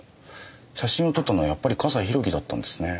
写真を撮ったのはやっぱり笠井宏樹だったんですね。